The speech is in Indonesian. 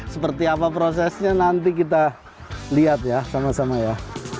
seperti apa prosesnya nanti kita lihat ya sama sama ya